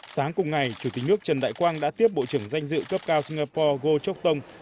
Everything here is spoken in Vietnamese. sáng cùng ngày chủ tịch nước trần đại quang đã tiếp bộ trưởng danh dự cấp cao singapore goh chok tong